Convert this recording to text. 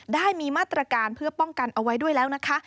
ได้มีมาตรการเพื่อป้องกันเอาไว้ด้วยแล้วนะคะ